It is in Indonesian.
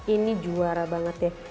ini juara banget ya